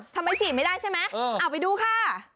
ฉีดไม่ได้ใช่ไหมเอาไปดูค่ะ